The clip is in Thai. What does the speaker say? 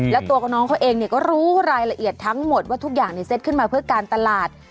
แล้วตัวกับน้องเขาเองก็รู้รายละเอียดทั้งหมดว่าทุกอย่างในเซตขึ้นมาเพื่อการตลาด